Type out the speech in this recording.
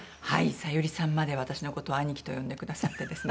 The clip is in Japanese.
小百合さんまで私の事をアニキと呼んでくださってですね。